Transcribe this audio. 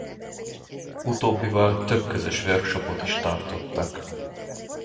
Utóbbival több közös workshopot is tartottak.